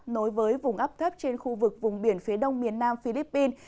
nối với vùng áp thấp trên khu vực vùng biển phía đông miền nam philippines